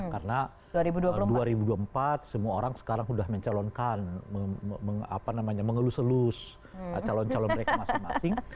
karena dua ribu dua puluh empat semua orang sekarang sudah mencalonkan mengelus elus calon calon mereka masing masing